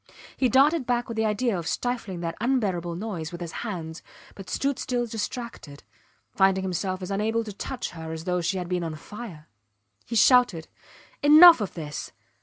He darted back with the idea of stifling that unbearable noise with his hands, but stood still distracted, finding himself as unable to touch her as though she had been on fire. He shouted, Enough of this!